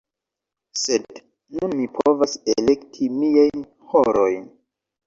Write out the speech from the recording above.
Sed nun mi povas elekti miajn horojn.